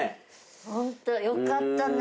ホントよかったね。